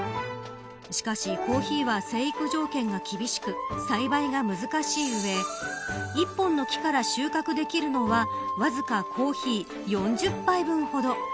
しかし、コーヒーは生育条件が厳しく栽培が難しい上１本の木から収穫できるのはわずかコーヒー４０杯ほど。